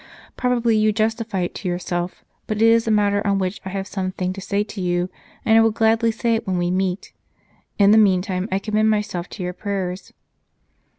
Probably you justify it to yourself, but it is a matter on which I have some thing to say to you, and I will gladly say it when we meet. In the meantime I commend myself to your prayers."